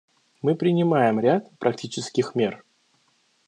Мы принимаем ряд практических мер.